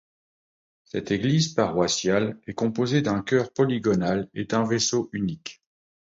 Cette église paroissiale est composée d'un chœur polygonal et d'un vaisseau unique.